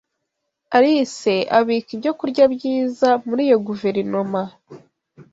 Alice abika ibyokurya byiza muri iyo guverinoma.